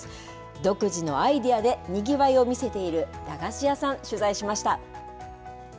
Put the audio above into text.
独自のアイデアでにぎわいを見せている駄菓子屋さん、取材しました。